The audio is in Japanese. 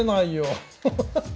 ハハハッ。